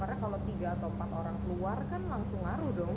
karena kalau tiga atau empat orang keluar kan langsung laru dong